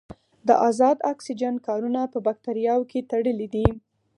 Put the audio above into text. د ازاد اکسیجن کارونه په باکتریاوو کې تړلې ده.